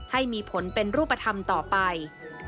ให้มีผลเป็นรูปธรรมต่อไป